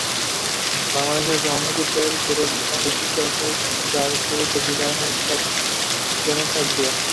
বাংলাদেশে প্রামাণ্যচিত্রের গৌরবজনক ঐতিহ্য আছে, যার শুরু জহির রায়হানের স্টপ জেনোসাইড দিয়ে।